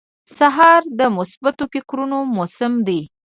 سهار د مثبتو فکرونو موسم دی.